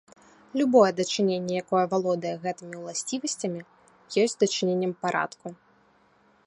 Любое дачыненне, якое валодае гэтымі ўласцівасцямі, ёсць дачыненнем парадку.